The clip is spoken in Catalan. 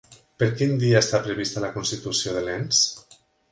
Per quin dia està prevista la constitució de l'ens?